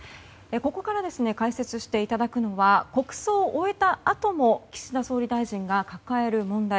ここから解説していただくのは国葬を終えたあとも岸田総理大臣が抱える問題